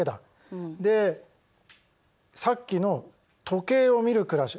でさっきの時計を見る暮らし